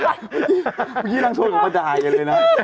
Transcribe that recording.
เมื่อกี้นางชวนออกมาด่ากันเลยนะ